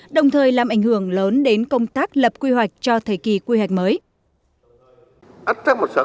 đồng thời làm ảnh hưởng lớn đến công tác lập quy hoạch cho thời kỳ quy hoạch mới